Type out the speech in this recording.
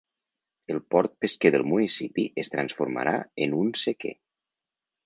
El port pesquer del municipi es transformarà en un sequer.